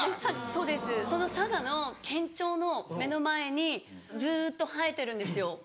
そうです佐賀の県庁の目の前にずっと生えてるんですよ